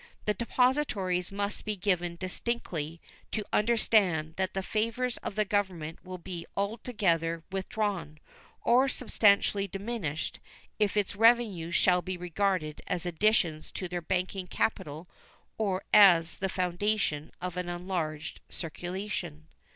The depositories must be given distinctly to understand that the favors of the Government will be altogether withdrawn, or substantially diminished, if its revenues shall be regarded as additions to their banking capital or as the foundation of an enlarged circulation.